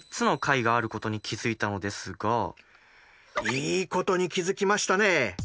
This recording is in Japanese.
いいことに気付きましたね。